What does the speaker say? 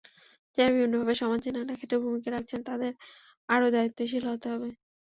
যাঁরা বিভিন্নভাবে সমাজের নানা ক্ষেত্রে ভূমিকা রাখছেন, তাঁদের আরও দায়িত্বশীল হতে হবে।